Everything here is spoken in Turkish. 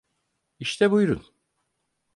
İşte buyrun.